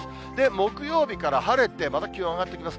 木曜日から晴れて、また気温上がってきます。